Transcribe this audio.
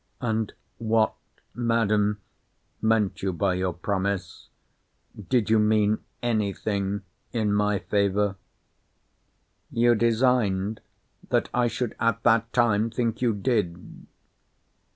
And what, Madam, meant you by your promise? Did you mean any thing in my favour?—You designed that I should, at that time, think you did.